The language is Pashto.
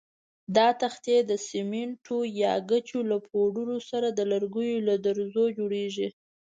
دا تختې د سمنټو یا ګچو له پوډرو سره د لرګیو له ذرو جوړېږي.